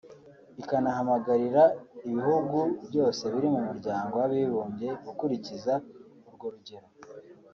ikanahamagarira ibihugu byose biri mu Muryango w’Abibumbye gukurikiza urwo rugero